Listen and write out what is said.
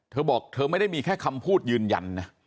เธอบอกเธอไม่ได้มีแค่คำพูดยืนยันนะ